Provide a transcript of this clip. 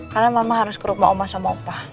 karena mama harus ke rumah oma sama opa